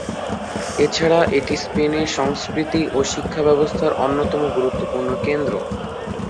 এছাড়া এটি স্পেনের সংস্কৃতি ও শিক্ষাব্যবস্থার অন্যতম গুরুত্বপূর্ণ কেন্দ্র।